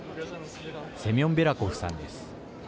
セミョン・ベラコフさんです。